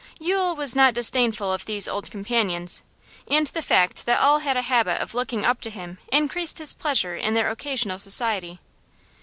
Yule was not disdainful of these old companions, and the fact that all had a habit of looking up to him increased his pleasure in their occasional society.